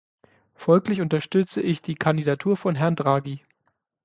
Folglich unterstütze ich die Kandidatur von Herrn Draghi.